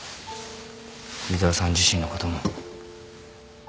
井沢さん自身のことも。